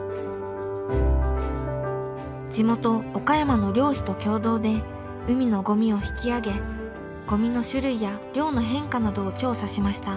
地元岡山の漁師と共同で海のゴミを引き揚げゴミの種類や量の変化などを調査しました。